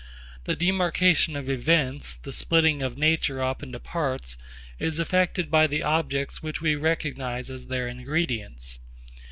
The demarcation of events, the splitting of nature up into parts is effected by the objects which we recognise as their ingredients.